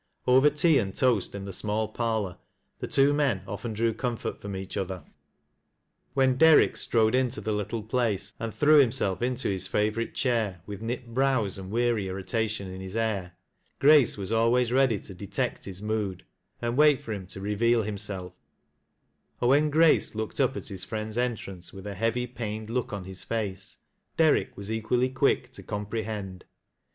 Over tea and toast in the small parloi the two raon often drew comfort from eacli other, WheD JJ3 TJIAT LASS 0' LC WRWS. Deriick strode into the little place and threw hiiuBell into his favorite chair, with knit brows and weary irrita tion in his air, Grace was always ready to detect hi; mood, and wait for him to reveal himself ; or when Grace looked np at his friend's entrance with a heavy, paiuec^ look on his face. Derrick was equally quick to comprc h.er d.